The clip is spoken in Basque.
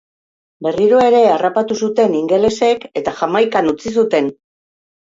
Berriro ere harrapatu zuten ingelesek eta Jamaikan utzi zuten.